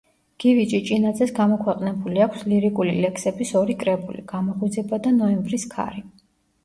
გივი ჭიჭინაძეს გამოქვეყნებული აქვს ლირიკული ლექსების ორი კრებული: „გამოღვიძება“ და „ნოემბრის ქარი“.